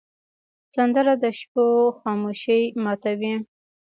سندره د شپو خاموشي ماتوې